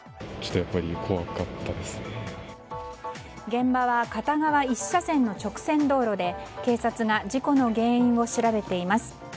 現場は片側１車線の直線道路で警察が事故の原因を調べています。